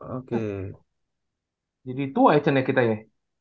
oke jadi tua kita ya